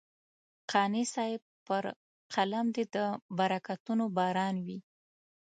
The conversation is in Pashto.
قانع صاحب پر قلم دې د برکتونو باران وي.